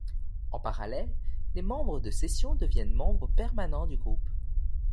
En parallèle, les membres de session deviennent membres permanents du groupe.